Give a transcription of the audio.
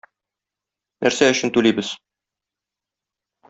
Нәрсә өчен түлибез?